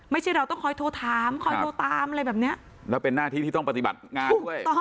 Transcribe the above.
ไม่ใช่เราต้องคอยโทรถามคอยโทรตามอะไรแบบเนี้ยแล้วเป็นหน้าที่ที่ต้องปฏิบัติงานด้วย